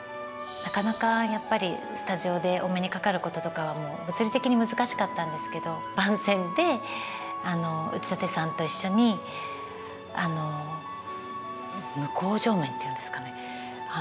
なかなかやっぱりスタジオでお目にかかることとかはもう物理的に難しかったんですけど番宣で内館さんと一緒に向こう正面というんですかね